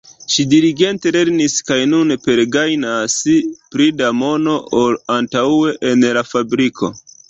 Ŝi diligente lernis kaj nun pergajnas pli da mono ol antaŭe en la fabriko.